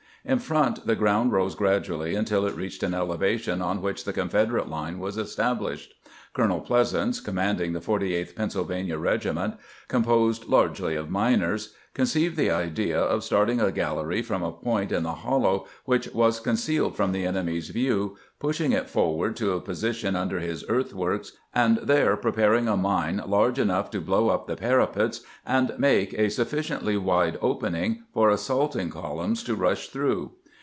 In front the ground rose gradually until it reached an elevation on which the Confederate line was established. Colonel Pleasants, commanding the 48th Pennsylvania Regiment, composed largely of miners, conceived the idea of starting a gallery from a point in the hollow which was concealed from the enemy's view, pushing it forward to a position under his. earthworks, and there preparing a mine large enough to blow up the parapets and make a sufficiently wide open ing for assaulting columns to rush through.